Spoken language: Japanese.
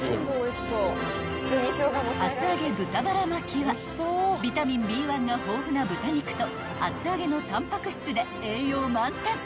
［厚揚げ豚バラ巻きはビタミンＢ１が豊富な豚肉と厚揚げのタンパク質で栄養満点］